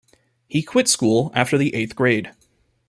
He quit school after the eighth grade.